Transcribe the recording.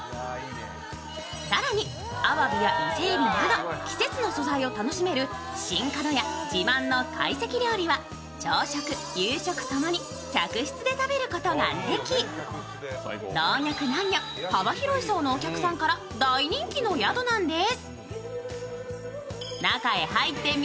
更にあわびや伊勢えびなど季節の味が楽しめる新かどや自慢の懐石料理は、朝食・夕食共に客室で食べることができ、老若男女、幅広い層のお客さんから大人気の宿なんです。